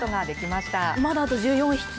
まだあと１４匹。